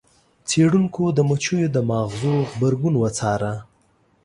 څیړونکو د مچیو د ماغزو غبرګون وڅاره.